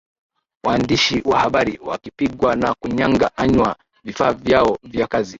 waandishi wa habari wakipigwa na kunyang anywa vifaa vyao vya kazi